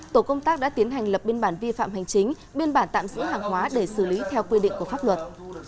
tổ công tác đã tiến hành lập biên bản vi phạm hành chính biên bản tạm giữ hàng hóa để xử lý theo quy định của pháp luật